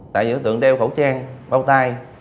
tại những đối tượng đeo khẩu trang bao tay